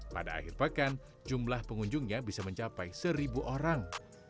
pada akhir pekan jumlah pengunjungnya bisa mencapai seribu orang